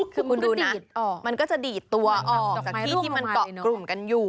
คือคุณดูนะมันก็จะดีดตัวออกจากที่ที่มันเกาะกลุ่มกันอยู่